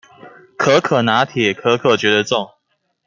可可拿鐵，可可覺得重